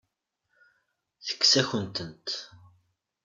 Tekkes-akent-tent.